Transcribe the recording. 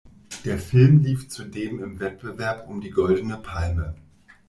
Der Film lief zudem im Wettbewerb um die Goldene Palme.